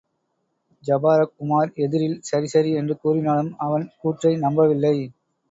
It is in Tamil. ஜபாரக் உமார் எதிரில் சரி சரி என்று கூறினாலும், அவன் கூற்றை நம்பவில்லை.